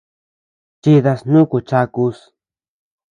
Chidas nuku chakus.